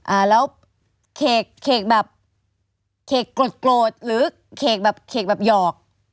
อ่าแล้วเขกแบบเขกกลดหรือเขกแบบยอก